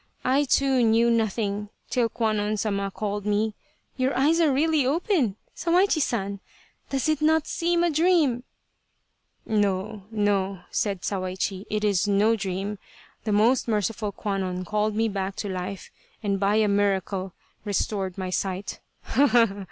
I, too, knew nothing till Kwannon Sama called me. Your eyes are really open, Sawaichi San ! Does it not seem a dream !"" No, no," said Sawaichi, " it is no dream. The most merciful Kwannon called me back to life and by a miracle restored my sight.